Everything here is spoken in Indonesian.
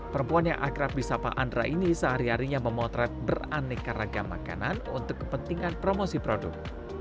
perempuan yang akrab di sapa andra ini sehari harinya memotret beraneka ragam makanan untuk kepentingan promosi produk